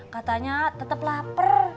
katanya tetap lapar